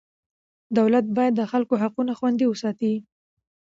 دولت باید د خلکو حقونه خوندي وساتي.